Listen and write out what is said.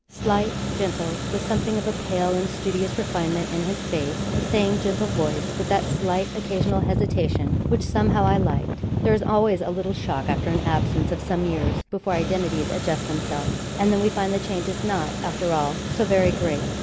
Slight, gentle, with something of a pale and studious refinement in his face. The same gentle voice, with that slight, occasional hesitation, which somehow I liked. There is always a little shock after an absence of some years before identities adjust themselves, and then we find the change is not, after all, so very great.